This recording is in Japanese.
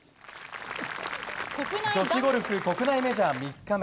女子ゴルフ国内メジャー３日目。